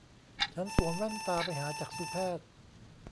ฉันสวมแว่นตาไปหาจักษุแพทย์